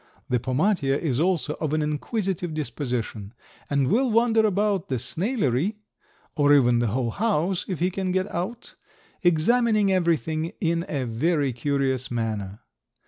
The pomatia is also of an inquisitive disposition and will wander about the snailery (or even the whole house if he can get out), examining everything in a very curious manner.